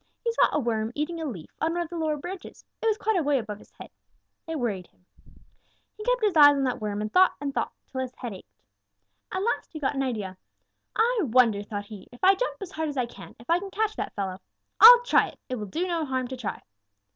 He saw a worm eating a leaf on one of the lower branches. It was quite a way above his head. It worried him. He kept his eyes on that worm and thought and thought until his head ached. At last he got an idea. 'I wonder,' thought he, 'if I jump as hard as I can, if I can catch that fellow. I'll try it. It will do no harm to try.'